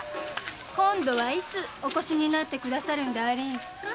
今度はいつおこしになってくださるんでありんすか？